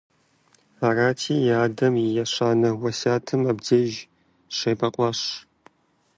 Арати, и адэм и ещанэ уэсятым абдеж щебэкъуащ.